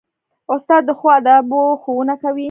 استاد د ښو آدابو ښوونه کوي.